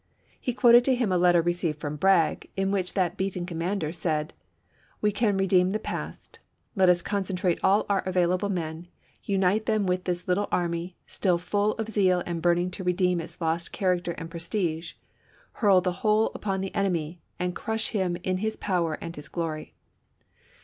He quoted to him a letter received from Bragg, in which that beaten commander said :" We can re deem the past. Let us concentrate all our avail able mcD, unite them with this little army, still full of zeal and burning to redeem its lost character and prestige, — hurl the whole upon the enemy, and crush him in his power and his glory."